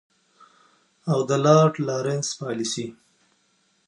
او د لارډ لارنس پالیسي.